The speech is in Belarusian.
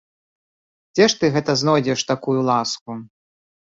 Дзе ж ты гэта знойдзеш такую ласку?